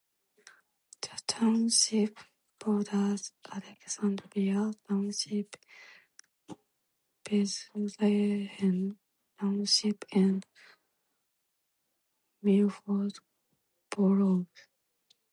The township borders Alexandria Township, Bethlehem Township, and Milford Borough.